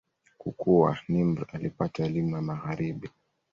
Kukua, Nimr alipata elimu ya Magharibi.